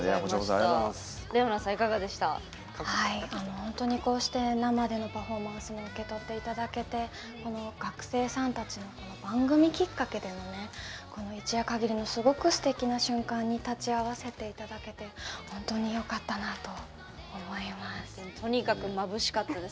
本当に、こうして生でのパフォーマンスも受け取っていただけて学生さんたちの番組きっかけでのこの一夜限りのすごくすてきな瞬間に立ち会わせていただけて本当によかったなと思います。